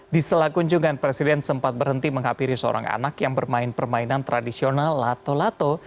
di sela kunjungan presiden sempat berhenti menghapiri seorang anak yang bermain permainan tradisional lato lato